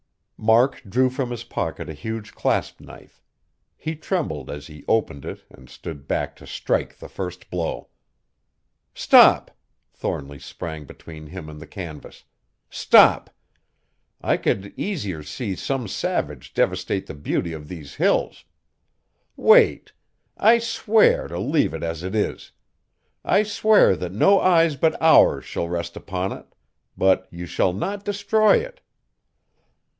Mark drew from his pocket a huge clasp knife. He trembled as he opened it and stood back to strike the first blow. "Stop!" Thornly sprang between him and the canvas. "Stop! I could easier see some savage devastate the beauty of these Hills. Wait! I swear to leave it as it is. I swear that no eyes but ours shall rest upon it; but you shall not destroy it!"